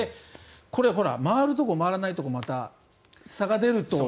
これ、回るところ回らないところ差が出ると。